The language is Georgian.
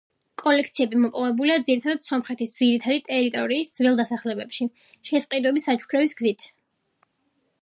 კოლექციები მოპოვებულია, ძირითადად, სომხეთის ძირითადი ტერიტორიის ძველ დასახლებებში შესყიდვების, საჩუქრების გზით.